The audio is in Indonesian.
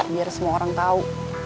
biar semua orang tahu